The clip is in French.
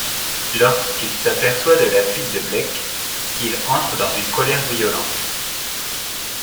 Lorsqu'il s'aperçoit de la fuite de Black, il entre dans une colère violente.